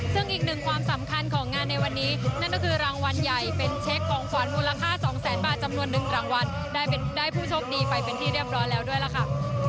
ซึ่งอีกหนึ่งความสำคัญของงานในวันนี้นั่นก็คือรางวัลใหญ่เป็นเช็คของขวัญมูลค่า๒แสนบาทจำนวน๑รางวัลได้ผู้โชคดีไปเป็นที่เรียบร้อยแล้วด้วยล่ะค่ะ